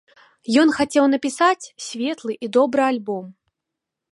Ён хацеў напісаць светлы і добры альбом.